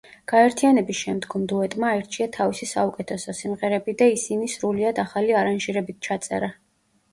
გაერთიანების შემდგომ დუეტმა აირჩია თავისი საუკეთესო სიმღერები და ისინი სრულიად ახალი არანჟირებით ჩაწერა.